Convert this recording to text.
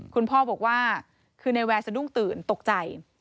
คุณพ่อบอกว่าคือในแวร์สะดุ้งตื่นตกใจ